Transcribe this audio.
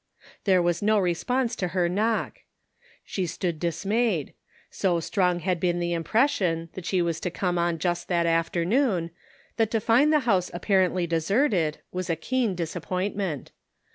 There was no response to her knock. She stood dismayed ; so strong had been the impression that she was to come on just that afternoon, that to find the house apparently deserted was a keen disappointment.